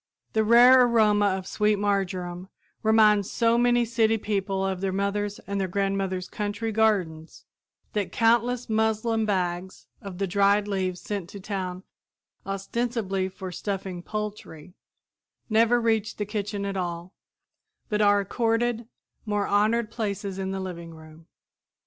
The rare aroma of sweet marjoram reminds so many city people of their mother's and their grandmother's country gardens, that countless muslin bags of the dried leaves sent to town ostensibly for stuffing poultry never reach the kitchen at all, but are accorded more honored places in the living room.